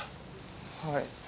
はい。